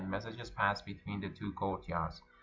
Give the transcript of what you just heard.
Messages pass between the two courtyards.